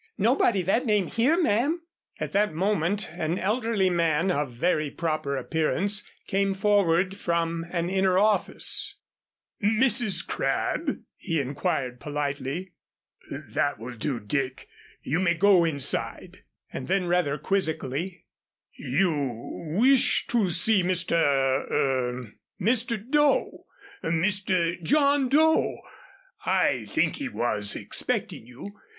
Nobody that name here, ma'am." At that moment an elderly man of very proper appearance came forward from an inner office. "Mrs. Crabb?" he inquired, politely. "That will do, Dick, you may go inside," and then rather quizzically: "You wished to see Mr. er Mr. Doe? Mr. John Doe? I think he was expecting you.